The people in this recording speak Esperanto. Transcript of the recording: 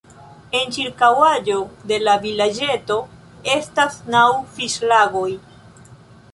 En ĉirkaŭaĵo de la vilaĝeto estas naŭ fiŝlagoj.